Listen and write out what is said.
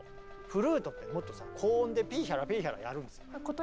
フルートってもっとさ高音でピーヒャラピーヒャラやるんですよ。